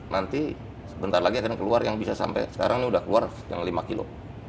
nanti sebentar lagi akan keluar yang bisa sampai sekarang ini sudah keluar yang lima kilo